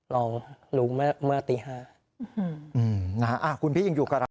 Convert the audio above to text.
ร้องรู้เมื่อตี๕